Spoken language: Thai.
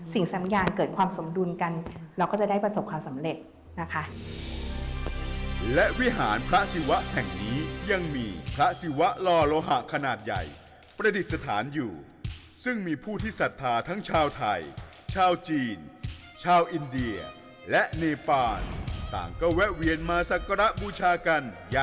สิ่งสัญญาณเกิดความสมดุลกันเราก็จะได้ประสบความสำเร็จนะคะ